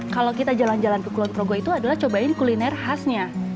kalau kita jalan jalan ke kulon progo itu adalah cobain kuliner khasnya